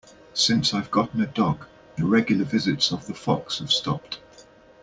Since I've gotten a dog, the regular visits of the fox have stopped.